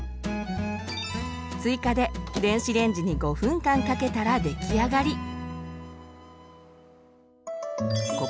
追加で電子レンジに５分間かけたら出来上がり！